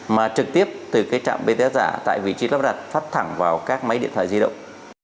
mà trực tiếp từ cái trạm bt giả tại vị trí lắp đặt phát thẳng vào các máy điện thoại di động